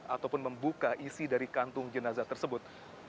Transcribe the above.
ataupun membuka isi dari kantung jenazah tersebut